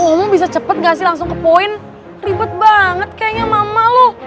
lo mau bisa cepet gak sih langsung ke point ribet banget kayaknya mama lo